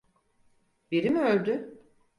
Biri mi öldü?